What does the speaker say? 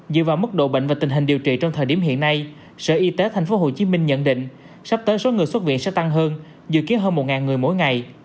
dựa vào mức độ bệnh và tình hình điều trị trong thời điểm hiện nay sở y tế tp hcm nhận định sắp tới số người xuất viện sẽ tăng hơn dự kiến hơn một người mỗi ngày